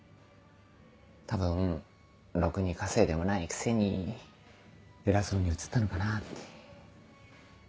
多分ろくに稼いでもないくせに偉そうに映ったのかなって。